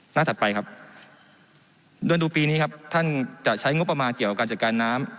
ถัดไปครับเดินดูปีนี้ครับท่านจะใช้งบประมาณเกี่ยวกับการจัดการน้ำ